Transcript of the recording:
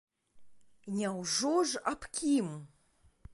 Няўжо ж аб кім?